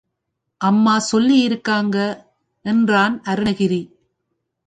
அம்மா சொல்லி இருக்காங்க, என்றான் அருணகிரி.